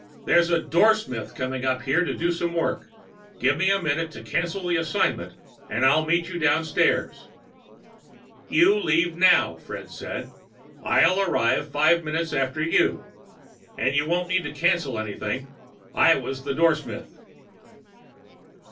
"There's a doorsmith coming up here to do some work. Give me a minute to cancel the assignment and I'll meet you downstairs." "You leave now," Fred said. "I'll arrive five minutes after you. And you won't need to cancel anything. I was the doorsmith."